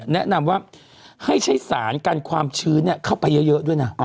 แนะนำว่าให้ใช้สารกันความชื้นเข้าไปเยอะด้วยนะ